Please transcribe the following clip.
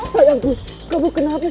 sayangku kamu kenapa sayang